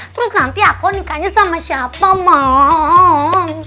terus nanti aku nikahnya sama siapa mau